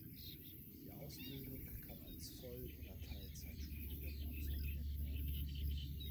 Die Ausbildung kann als Voll- oder Teilzeitstudium absolviert werden.